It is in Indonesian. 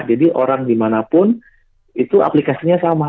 jadi orang dimanapun itu aplikasinya sama